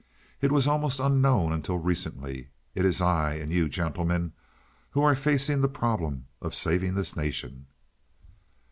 It was almost unknown until recently. It is I, and you, gentlemen, who are facing the problem of saving this nation."